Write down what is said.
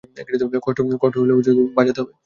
কষ্ট হলেও বাজাতে হবে।